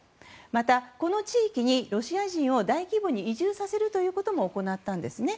また、この地域にロシア人を大規模に移住させるということも行ったんですね。